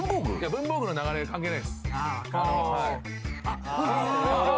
文房具の流れ関係ないっす。